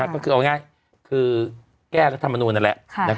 ก็คือเอาง่ายคือแก้รัฐมนูลนั่นแหละ